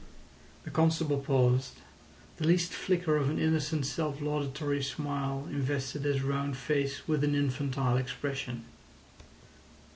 The constable paused; the least flicker of an innocent self laudatory smile invested his round face with an infantile expression.